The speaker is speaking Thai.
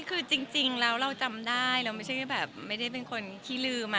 คือจริงแล้วเราจำได้เราไม่ใช่แบบไม่ได้เป็นคนขี้ลืม